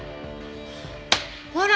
ほら！